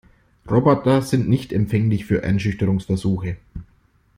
Roboter sind nicht empfänglich für Einschüchterungsversuche.